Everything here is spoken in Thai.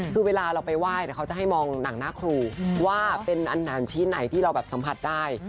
คือเวลาเราไปไหว้เขาจะให้มองหนังหน้าครูว่าเป็นอันหนังชิ้นไหนที่เราแบบสัมผัสได้